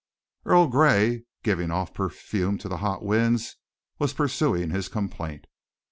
Earl Gray, giving off perfume to the hot winds, was pursuing his complaint.